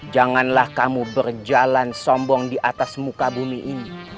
janganlah kamu berjalan sombong di atas muka bumi ini